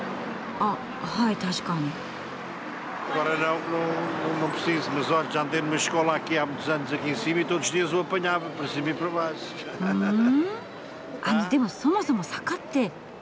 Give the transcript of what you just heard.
あのでもそもそも坂ってどこ？